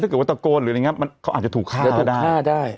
ถ้าเกิดว่าตะโกนหรืออะไรอย่างนี้เขาอาจจะถูกฆ่าได้